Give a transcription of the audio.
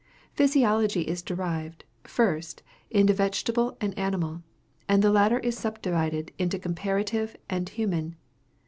Physiology is divided, first, into Vegetable and Animal; and the latter is subdivided into Comparative and Human.